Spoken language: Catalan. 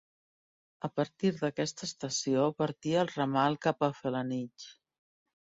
A partir d'aquesta estació partia el ramal cap a Felanitx.